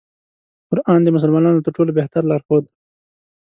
قرآن د مسلمانانو تر ټولو بهتر لار ښود دی.